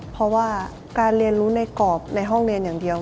เพราะว่าการเรียนรู้ในกรอบในห้องเรียนอย่างเดียว